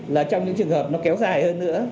là trong những trường hợp nó kéo dài hơn nữa